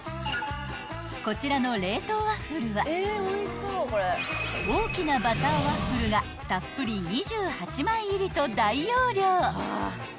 ［こちらの冷凍ワッフルは大きなバターワッフルがたっぷり２８枚入りと大容量］